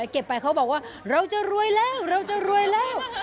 เก็บไปเขาบอกว่าเราจะรวยแล้ว